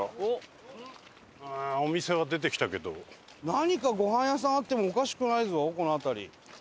何かご飯屋さんあってもおかしくないぞこの辺り。